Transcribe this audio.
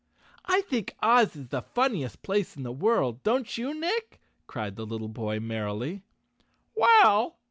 "I think Oz is the funniest place in the world, don't you, Nick?" cried the little boy merrily.